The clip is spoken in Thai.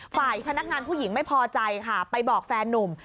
ฝ่ายพนักงานผู้หญิงไม่พอใจค่ะไปบอกแฟนนุ่ม